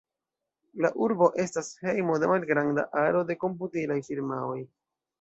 La urbo estas hejmo de malgranda aro de komputilaj firmaoj.